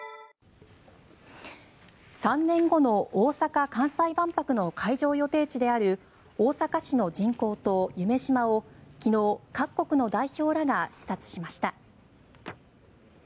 ３年後の大阪・関西万博の会場予定地である大阪市の人工島、夢洲を昨日、各国の代表らが視察しました。